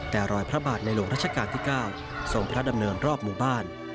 แต่รอยพระบาทในหลวงรัชกาลที่๙ทรงพระดำเนินรอบหมู่บ้าน